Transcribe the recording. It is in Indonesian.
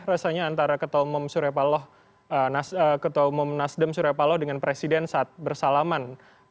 rasanya antara ketua umum nasdem suryapaloh dengan presiden saat bersalaman